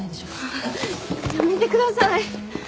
やめてください。